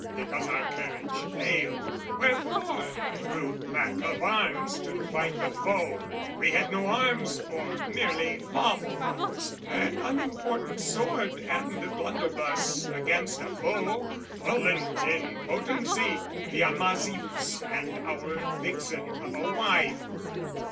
Because our courage failed. Wherefore? Through lack of arms to fight the foe: We had no arms or merely lawful ones, An unimportant sword and blunderbuss, Against a foe, pollent in potency, The amasius, and our vixen of a wife.